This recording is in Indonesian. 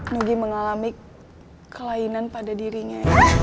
nugi mengalami kelainan pada dirinya